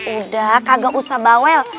udah kagak usah bawel